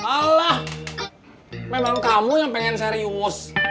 alah memang kamu yang pengen serius